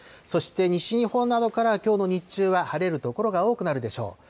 そして西日本などからきょうの日中は晴れる所が多くなるでしょう。